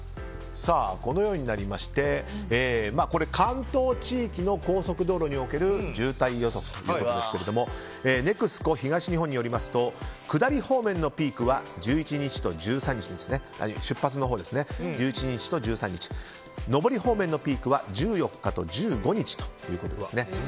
このようになりまして関東地域の高速道路における渋滞予測というわけですがＮＥＸＣＯ東日本によりますと下り方面のピークは出発のほうで、１１日と１３日上り方面のピークは１４日と１５日ということですね。